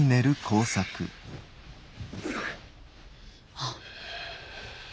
あっ。